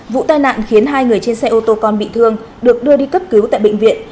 vụ tai nạn khiến hai người trên xe ô tô con bị thương được đưa đi cấp cứu tại bệnh viện